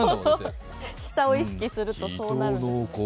下を意識するとそうなるんですね。